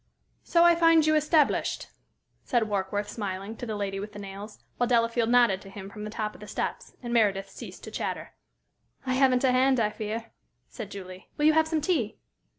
"So I find you established?" said Warkworth, smiling, to the lady with the nails, while Delafield nodded to him from the top of the steps and Meredith ceased to chatter. "I haven't a hand, I fear," said Julie. "Will you have some tea?